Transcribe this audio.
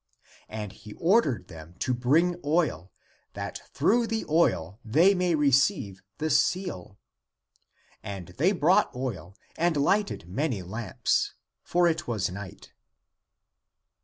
And he ordered them to bring oil, that through the oil they might receive the seal. And they brought oil and lighted many lamps. For it was night.